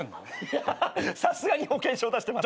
いやさすがに保険証出してます。